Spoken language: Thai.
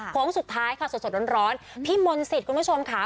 ข้อมูลสุดท้ายค่ะสดร้อนพี่มนศิษย์คุณผู้ชมค่ะ